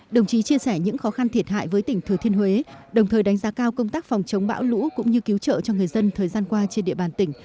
đồng chí chia sẻ những khó khăn thiệt hại với tỉnh thừa thiên huế đồng thời đánh giá cao công tác phòng chống bão lũ cũng như cứu trợ cho người dân thời gian qua trên địa bàn tỉnh